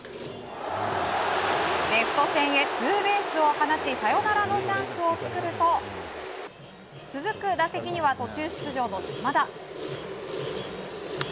レフト線へツーベースを放ちサヨナラのチャンスを作ると、続く打席には途中出場の島田。